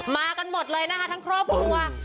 มากันหมดเลยนะคะทั้งครอบครัว